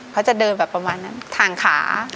เขาจะเดินแบบประมาณนั้นทางขา